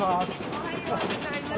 おはようございます。